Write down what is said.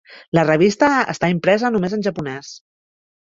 La revista està impresa només en japonès.